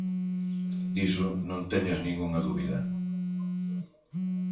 Diso non teñas ningunha dúbida.